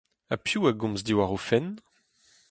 Ha piv a gomz diwar o fenn ?